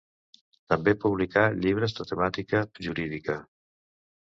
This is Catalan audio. També publicà llibres de temàtica jurídica.